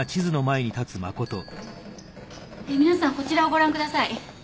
皆さんこちらをご覧ください。